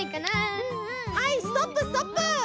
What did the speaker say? ・はいストップストップ！